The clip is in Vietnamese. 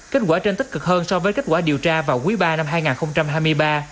kết quả trên tích cực hơn so với kết quả điều tra vào quý ba năm hai nghìn hai mươi ba